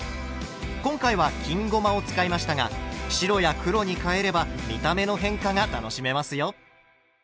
今回は金ごまを使いましたが白や黒に変えれば見た目の変化が楽しめますよ。